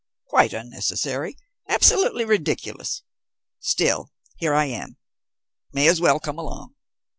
"Quite unnecessary. Absolutely ridiculous. Still, here I am. May as well come along."